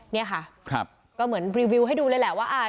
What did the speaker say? เนี่ยค่ะก็เหมือนรีวิวให้ดูเลยแหละว่า